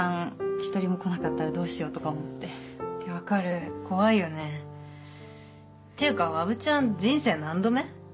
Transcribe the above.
１人も来なかったらどうしようとか思ってわかる怖いよねっていうかわぶちゃん人生何度目？